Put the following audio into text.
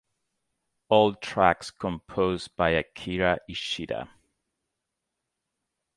All tracks composed by Akira Ishida.